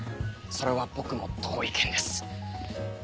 それは僕も同意見です。